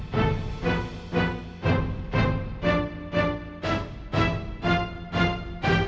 masa ini aku mau ke rumah